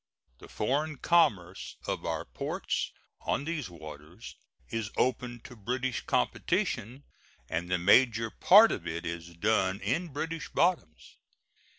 The foreign commerce of our ports on these waters is open to British competition, and the major part of it is done in British bottoms.